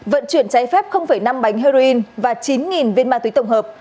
vận chuyển cháy phép năm bánh heroin và chín viên ma túy tổng hợp